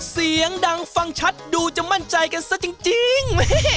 เสียงดังฟังชัดดูจะมั่นใจกันซะจริง